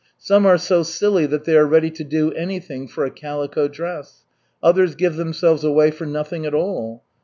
"Some are so silly that they are ready to do anything for a calico dress; others give themselves away for nothing at all.